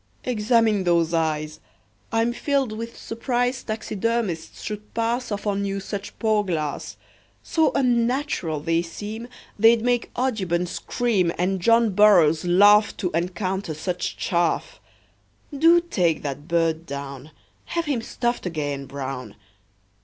"Examine those eyes. I'm filled with surprise Taxidermists should pass Off on you such poor glass; So unnatural they seem They'd make Audubon scream, And John Burroughs laugh To encounter such chaff. Do take that bird down; Have him stuffed again, Brown!"